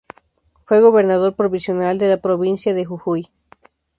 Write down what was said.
Fue gobernador provisional de la provincia de Jujuy.